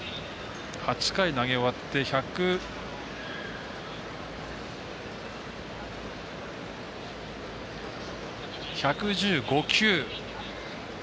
８回投げ終わって１１５球。